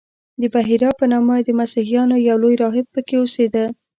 د بحیرا په نامه د مسیحیانو یو لوی راهب په کې اوسېده.